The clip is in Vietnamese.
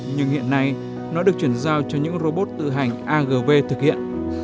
nhưng hiện nay nó được chuyển giao cho những robot tự hành agv thực hiện